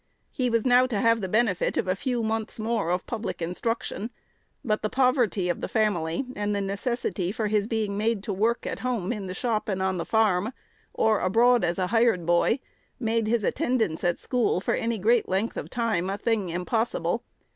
He was now to have the benefit of a few months more of public instruction; but the poverty of the family, and the necessity for his being made to work at home in the shop and on the farm, or abroad as a hired boy, made his attendance at school, for any great length of time, a thing impossible.